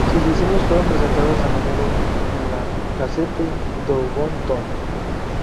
Sus diseños fueron presentados a menudo en la "Gazette du Bon Ton".